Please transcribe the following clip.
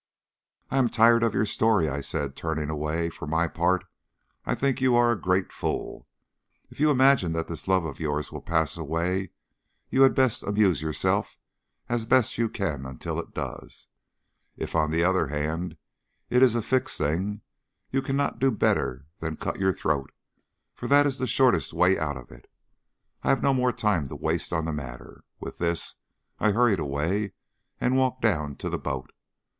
"I am tired of your story," I said, turning away. "For my part, I think you are a great fool. If you imagine that this love of yours will pass away you had best amuse yourself as best you can until it does. If, on the other hand, it is a fixed thing, you cannot do better than cut your throat, for that is the shortest way out of it. I have no more time to waste on the matter." With this I hurried away and walked down to the boat.